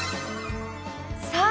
さあ